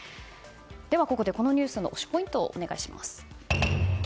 ここで、このニュースの推しポイントをお願いします。